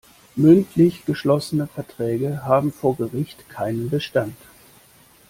Mündlich geschlossene Verträge haben vor Gericht keinen Bestand.